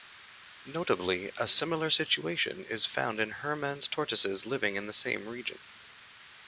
Notably, a similar situation is found in Hermann's tortoises living in the same region.